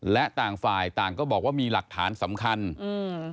และต่างฝ่ายต่างก็บอกว่ามีหลักฐานสำคัญอืม